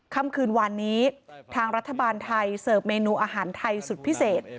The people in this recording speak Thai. ค่ำคืนวานนี้ทางรัฐบาลไทยเสิร์ฟเมนูอาหารไทยสุดพิเศษ